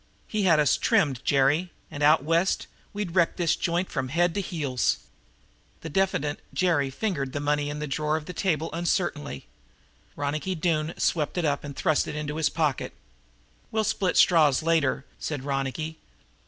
He had us trimmed, Jerry, and out West we'd wreck this joint from head to heels." The diffident Jerry fingered the money in the drawer of the table uncertainly. Ronicky Doone swept it up and thrust it into his pocket. "We'll split straws later," said Ronicky.